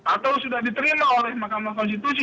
atau sudah diterima oleh mahkamah konstitusi